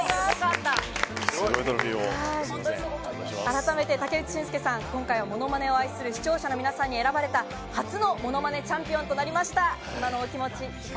改めて武内駿輔さん、今回、ものまねを愛する視聴者の皆さんに選ばれた、初のものまねチャンピオンとなりました。